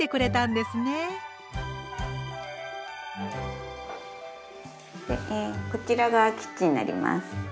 でえこちらがキッチンになります。